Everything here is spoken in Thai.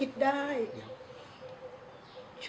แล้วบอกว่าไม่รู้นะ